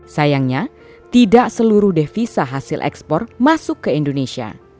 sayangnya tidak seluruh devisa hasil ekspor masuk ke indonesia